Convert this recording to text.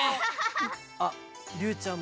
ありゅうちゃん